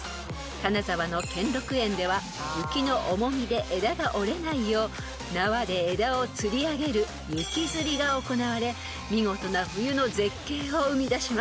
［金沢の兼六園では雪の重みで枝が折れないよう縄で枝をつり上げる雪吊りが行われ見事な冬の絶景を生み出します］